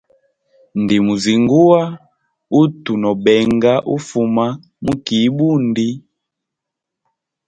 Ndimuzinguwa utu no benga ufuma mu kii ibundi.